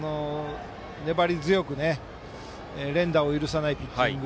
粘り強く連打を許さないピッチング。